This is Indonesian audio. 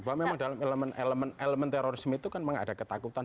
bahwa memang dalam elemen elemen terorisme itu kan mengada ketakutan